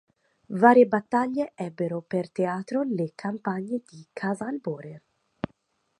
Varie battaglie ebbero per teatro le campagne di Casalbore.